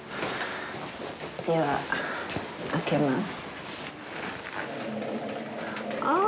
では、開けます。